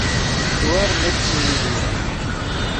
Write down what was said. تیور میگ ݰوئی ڤی